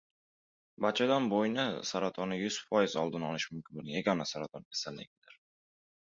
Bachadon bo‘yni saratoni yuz foiz oldini olish mumkin bo‘lgan yagona saraton kasalligidir